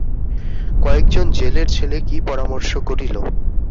কয়েকজন জেলের ছেলে কি পরামর্শ করিল।